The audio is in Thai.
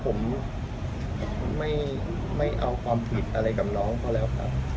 ผมยืนยันนะครับว่าผมไม่เอาความผิดอะไรกับน้องเขาแล้วครับ